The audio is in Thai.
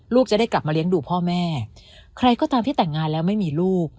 จะได้กลับมาเลี้ยงดูพ่อแม่ใครก็ตามที่แต่งงานแล้วไม่มีลูก